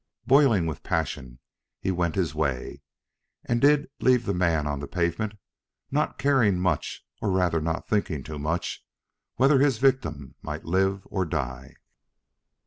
Boiling with passion, he went his way, and did leave the man on the pavement, not caring much, or rather, not thinking much, whether his victim might live or die.